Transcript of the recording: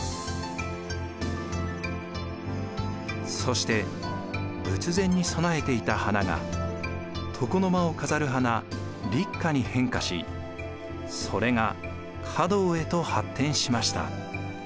そして仏前に供えていた花が床の間を飾る花立花に変化しそれが華道へと発展しました。